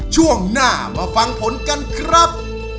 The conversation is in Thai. ช่วงหน้ามาฟังผลกันครับ